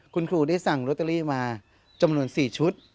คุณครูได้สั่งลอตเตอรี่มาจำนวน๔ชุด